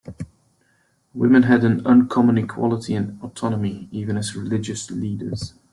Women had an uncommon equality and autonomy, even as religious leaders.